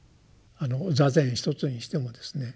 座禅一つにしてもですね